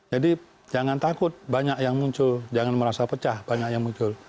jangan takut banyak yang muncul jangan merasa pecah banyak yang muncul